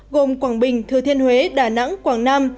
gồm quảng bình thừa thiên huế đà nẵng quảng nam